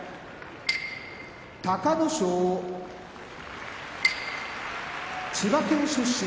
隆の勝千葉県出身